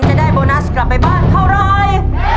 จะได้โบนัสกลับไปบ้านเท่าไร